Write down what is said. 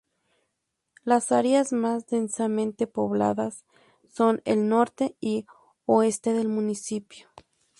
Las áreas más densamente pobladas son el norte y oeste del municipio.